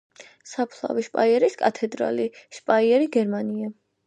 საფლავი: შპაიერის კათედრალი, შპაიერი, გერმანია.